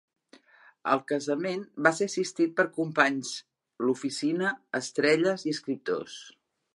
El casament va ser assistit per companys "l'oficina" estrelles i escriptors.